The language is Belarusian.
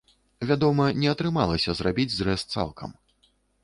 Вядома, не атрымалася зрабіць зрэз цалкам.